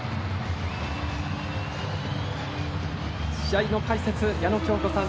試合の解説、矢野喬子さん